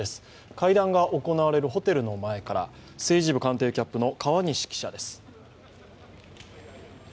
会談が行われるホテルの前から、政治部官邸キャップの川西記者です。